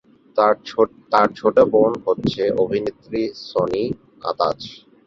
তার ছোট বোন হচ্ছেন অভিনেত্রী শনি আতাজ।